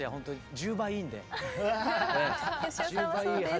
１０倍いいはず。